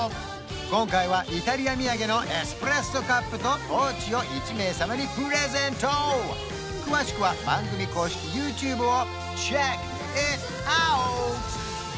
今回はイタリア土産のエスプレッソカップとポーチを１名様にプレゼント詳しくは番組公式ＹｏｕＴｕｂｅをｃｈｅｃｋｉｔｏｕｔ！